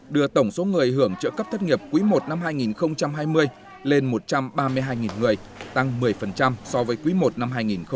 đưa tổng số người hưởng trợ cấp thất nghiệp quý i năm hai nghìn hai mươi lên một trăm ba mươi hai người tăng một mươi so với quý i năm hai nghìn một mươi chín